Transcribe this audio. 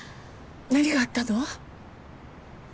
何があったの？